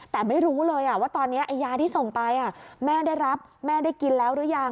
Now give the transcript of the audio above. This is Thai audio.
แต่ไม่รู้เลยว่าตอนนี้ยาที่ส่งไปแม่ได้รับแม่ได้กินแล้วหรือยัง